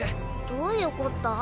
どういうこった？